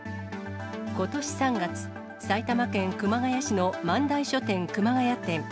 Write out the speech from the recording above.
ことし３月、埼玉県熊谷市のまんだい書店熊谷店。